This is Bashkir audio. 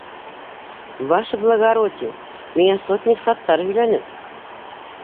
— Ваше благородие, миңә сотник Саттар һөйләне.